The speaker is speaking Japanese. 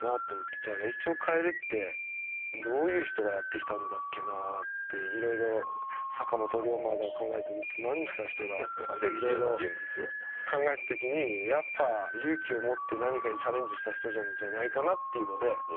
じゃあ、歴史を変えるってどういう人がやってきたんだっけなって色々、坂本龍馬とか考えて何した人だとかって考えた時にやっぱり勇気を持って何かにチャレンジした人なんじゃないかなって。